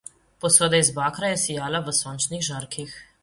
Posoda iz bakra je sijala v sončnih žarkih.